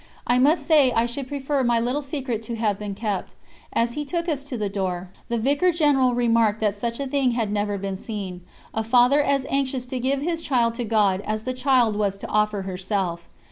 I must say I should prefer my little secret to have been kept. As he took us to the door, the Vicar General remarked that such a thing had never been seen a father as anxious to give his child to God as the child was to offer herself.